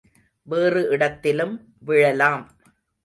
வேறு இடத்திலும் விழலாம்.